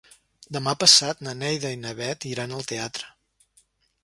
Demà passat na Neida i na Bet iran al teatre.